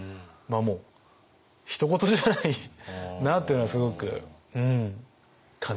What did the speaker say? もうひと事じゃないなというのはすごく感じました。